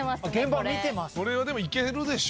これはでもいけるでしょ。